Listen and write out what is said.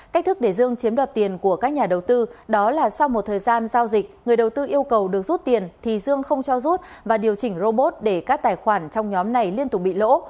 cách thức để dương chiếm đoạt tiền của các nhà đầu tư đó là sau một thời gian giao dịch người đầu tư yêu cầu được rút tiền thì dương không cho rút và điều chỉnh robot để các tài khoản trong nhóm này liên tục bị lỗ